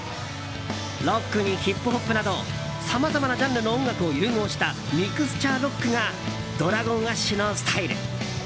ロックにヒップホップなどさまざまなジャンルの音楽を融合したミクスチャーロックがＤｒａｇｏｎＡｓｈのスタイル。